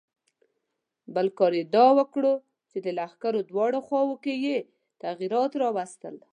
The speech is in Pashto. بل کار یې دا وکړ چې د لښکر دواړو خواوو کې یې تغیرات راوستل.